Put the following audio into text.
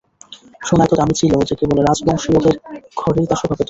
সোনা এত দামী ছিল যে কেবল রাজবংশীয়দের ঘরেই তা শোভা পেত।